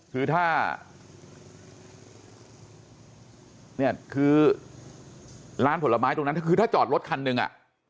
คือถ้าเนี่ยคือร้านผลไม้ตรงนั้นคือถ้าจอดรถคันหนึ่งอ่ะ